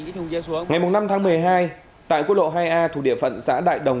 ngày năm tháng một mươi hai tại quốc lộ hai a thủ địa phận xã đại đồng